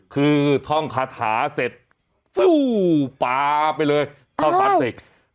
คือท่องคาถาเสร็จปลาไปเลยเข้าตัดเสร็จ